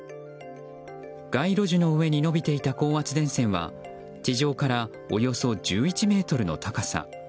街路樹の上に延びていた高圧電線は地上からおよそ１１ｍの高さ。